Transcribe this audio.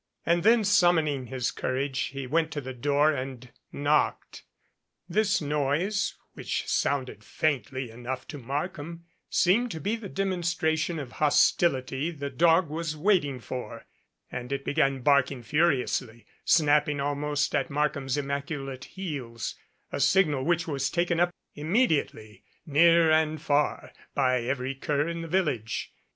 And then summoning his courage he went to the door and knocked. This noise, which sounded faintly enough to Markham, seemed to be the demonstration of hostility the dog was waiting for, and it began barking furiously, snapping almost at Markham's immaculate heels, a signal which was taken up immediatley, near and 331 MADCAP far, by every cur in the village.